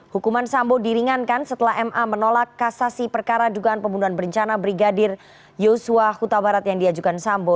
hukuman sambo diringankan setelah ma menolak kasasi perkara dugaan pembunuhan berencana brigadir yosua huta barat yang diajukan sambo